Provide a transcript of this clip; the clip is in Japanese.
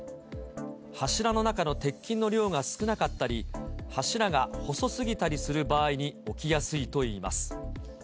柱の中の鉄筋の量が少なかったり、柱が細すぎたりする場合に起きやすいといいます。